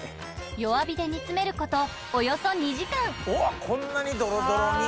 弱火で煮詰めることおよそ２時間こんなにドロドロに！